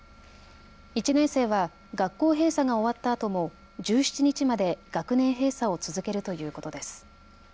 １年生は学校閉鎖が終わったあとも１７日まで学年閉鎖を続けるということです。